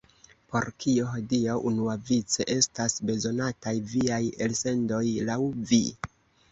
Por kio hodiaŭ unuavice estas bezonataj viaj elsendoj, laŭ vi?